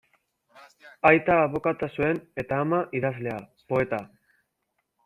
Aita abokatua zuen eta ama idazlea, poeta.